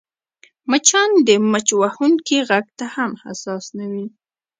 مچان د مچ وهونکي غږ ته هم حساس نه وي